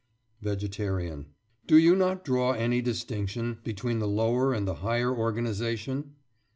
VEGETARIAN: Do you not draw any distinction between the lower and the higher organisation?